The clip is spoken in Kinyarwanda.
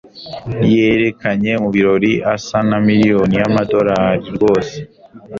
Yerekanye mu birori asa na miliyoni y'amadolari rwose